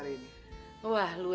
gimana tante penampilanku hari ini